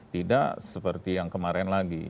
tidak seperti yang kemarin lagi